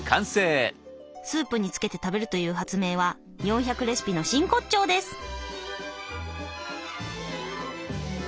スープにつけて食べるという発明は４００レシピの真骨頂です！